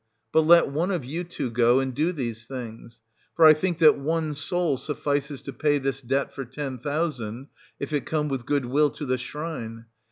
But let one of you two go and do these things. For I think that one soul suffices to pay this debt for ten thousand, if it come with good will to the shrine.